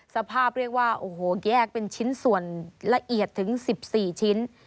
สภาพเรียกว่าโอ้โหแยกเป็นชิ้นส่วนละเอียดถึง๑๔ชิ้น